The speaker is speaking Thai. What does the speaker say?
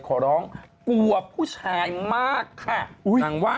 ขอร้องกลัวผู้ชายมากค่ะนางว่า